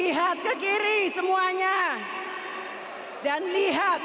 jom warto mengambil hati semua benevision dan joseon dibawah kita